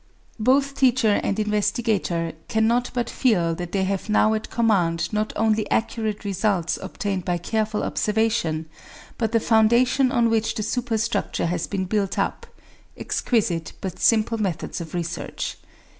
Both teacher and investigator cannot but feel that they have now at command not only accurate results obtained by careful observation, but the foundation on which the superstructure has been built up exquisite but simple methods of research.